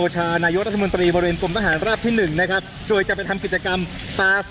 ทางกลุ่มมวลชนทะลุฟ้าทางกลุ่มมวลชนทะลุฟ้า